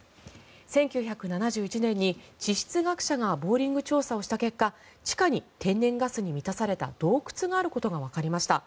１９７１年に地質学者がボーリング調査をした結果地下に天然ガスに満たされた洞窟があることがわかりました。